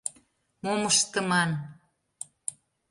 Мом ыштыман?